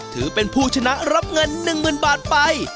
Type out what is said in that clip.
ถือเป็นผู้ชนะรับเงิน๑๐๐๐บาทไป